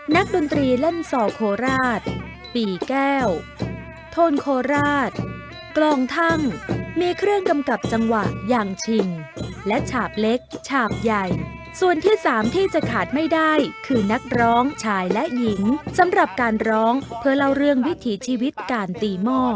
ดนตรีเล่นซอโคราชปีแก้วโทนโคราชกลองทั่งมีเครื่องกำกับจังหวะอย่างชิงและฉาบเล็กฉาบใหญ่ส่วนที่สามที่จะขาดไม่ได้คือนักร้องชายและหญิงสำหรับการร้องเพื่อเล่าเรื่องวิถีชีวิตการตีหม้อ